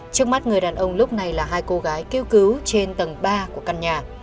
trước mắt người đàn ông lúc này là hai cô gái kêu cứu trên tầng ba của căn nhà